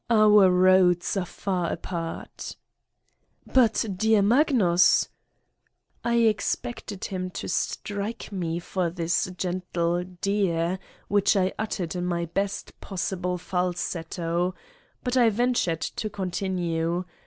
Our roads are far apart." "But, dear Magnus! ..." I expected him to strike me for this gentle dear, which I uttered in my best possible falsetto. But I ventured to continue.